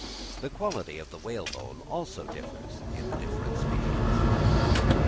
The quality of the whalebone also differs in the different species.